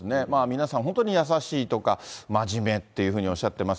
皆さん、本当に優しいとか、真面目っていうふうにおっしゃってます。